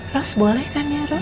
ros boleh kan ya roh